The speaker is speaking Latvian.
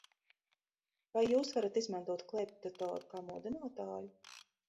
Vai jūs varat izmantot klēpjdatoru kā modinātāju?